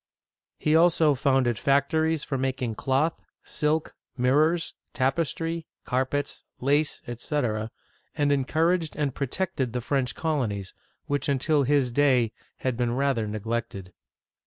He also founded factories for mak ing cloth, silk, mirrors, tapestry, carpets, lace, etc., and en couraged and protected the French colonies, which until his day had been rather neglected.